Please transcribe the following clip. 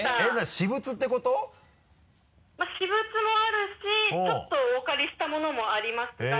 私物もあるしちょっとお借りしたものもありますが。